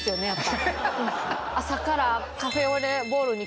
朝から。